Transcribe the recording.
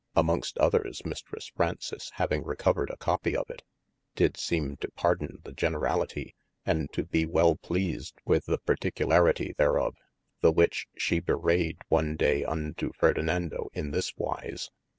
Amongst others Mistres Fraunces having recovered a copie of it, did seme to pardon the generallity, and to bee wel pleased with the per ticularity thereof, the whiche shee bewraied one daye unto Ferdinando in this wise.